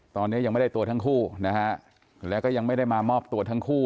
ตอนนี้ยังไม่ได้ตัวทั้งคู่นะฮะแล้วก็ยังไม่ได้มามอบตัวทั้งคู่